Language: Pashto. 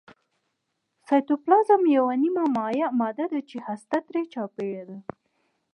سایتوپلازم یوه نیمه مایع ماده ده چې هسته ترې چاپیره ده